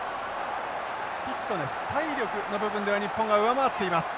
フィットネス体力の部分では日本が上回っています。